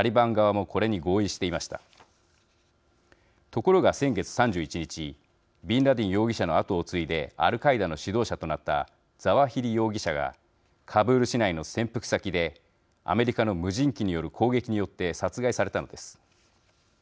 ところが先月３１日ビンラディン容疑者の後を継いでアルカイダの指導者となったザワヒリ容疑者がカブール市内の潜伏先でアメリカの無人機による攻撃によって殺害されたのです。